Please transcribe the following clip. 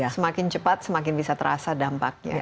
semakin cepat semakin bisa terasa dampaknya